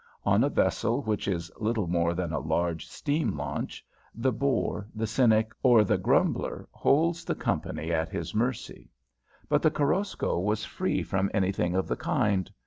On a vessel which is little more than a large steam launch, the bore, the cynic, or the grumbler holds the company at his mercy. But the Korosko was free from anything of the kind.